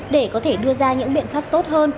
để có thể đưa ra những biện pháp tốt hơn